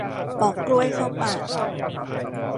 ปอกกล้วยเข้าปาก